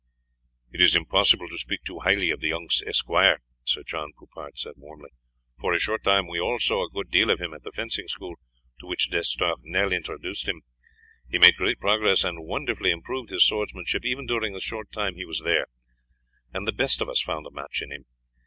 "It is impossible to speak too highly of the young esquire," Sir John Poupart said warmly. "For a short time we all saw a good deal of him at the fencing school, to which D'Estournel introduced him. He made great progress, and wonderfully improved his swordsmanship even during the short time he was there, and the best of us found a match in him.